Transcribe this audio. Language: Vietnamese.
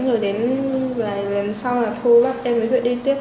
rồi đến vài lần sau là thu bắt em với huyện đi tiếp